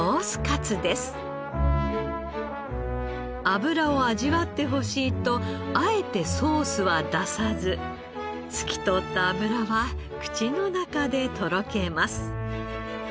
脂を味わってほしいとあえてソースは出さず透き通った脂は口の中でとろけます。